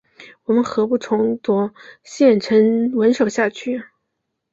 我们何不重夺县城稳守下去？